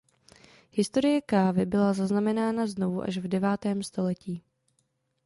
Historie kávy byla zaznamenána znovu až v devátém století.